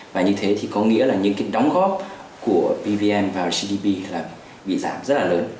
và như thế thì có nghĩa là những cái đóng góp của pvn vào gdp là bị giảm rất là lớn